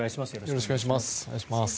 よろしくお願いします。